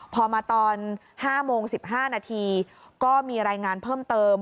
พอมาตอน๕โมง๑๕นาทีก็มีรายงานเพิ่มเติม